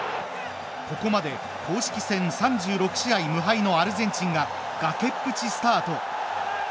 ここまで公式戦３６試合無敗のアルゼンチンが崖っぷちスタート。